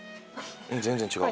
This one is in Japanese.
全然違う。